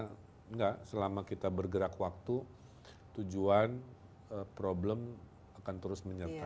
tidak selama kita bergerak waktu tujuan problem akan terus menyertai